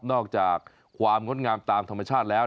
อกจากความงดงามตามธรรมชาติแล้ว